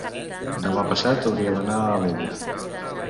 demà passat hauria d'anar a Alella.